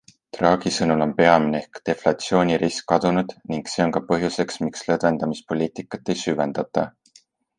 Draghi sõnul on peamine ehk deflatsioonirisk kadunud ning see on ka põhjuseks miks lõdvendamispoliitikat ei süvendata.